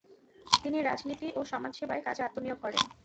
তিনি রাজনীতি ও সমাজসেবার কাজে আত্মনিয়োগ করেন।